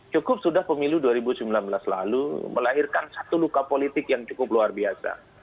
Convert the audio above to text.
cukup sudah pemilu dua ribu sembilan belas lalu melahirkan satu luka politik yang cukup luar biasa